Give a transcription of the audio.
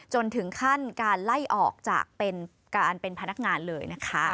จนถึงขั้นการไล่ออกจากเป็นการเป็นพนักงานเลยนะคะ